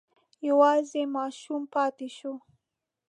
یوازې ماشوم پاتې شو.